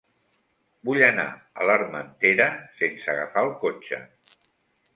Vull anar a l'Armentera sense agafar el cotxe.